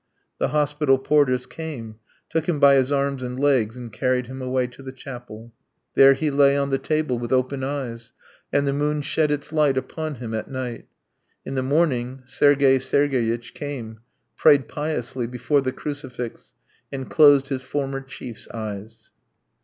The hospital porters came, took him by his arms and legs, and carried him away to the chapel. There he lay on the table, with open eyes, and the moon shed its light upon him at night. In the morning Sergey Sergeyitch came, prayed piously before the crucifix, and closed his former chief's eyes.